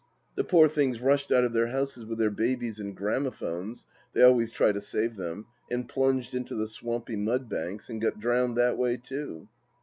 The poor things rushed out of their houses with their babies and gramophones — they always try to save them — and plunged into the swampy mud banks, and got drowned that way, too.